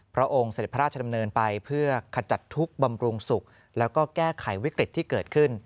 พระองค์เสด็จพระราชดำเนินไปเพื่อขจัดทุกข์บำรุงสุขแล้วก็แก้ไขวิกฤตที่เกิดขึ้น